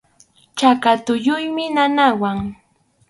Chaka tulluymi nanawan.